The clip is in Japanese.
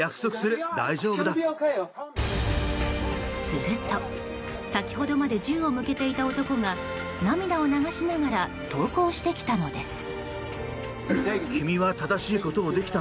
すると先ほどまで銃を向けていた男が涙を流しながら投降してきたのです。